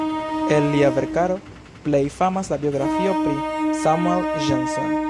El lia verkaro plej famas la biografio pri Samuel Johnson.